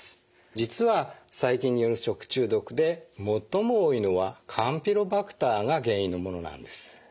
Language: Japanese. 実は細菌による食中毒で最も多いのはカンピロバクターが原因のものなんです。